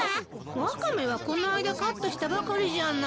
ワカメはこの間カットしたばかりじゃない。